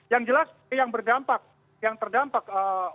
yang jelas yang berdampak yang terdampak